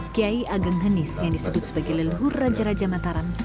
kiai ageng hanis yang disebut sebagai leluhur raja raja mataram